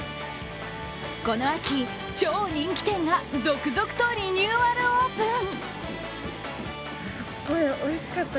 この秋、超人気店が続々とリニューアルオープン。